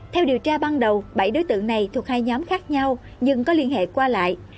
theo điều tra ban đầu bảy đối tượng này thuộc hai nhóm khác nhau nhưng có liên hệ qua lại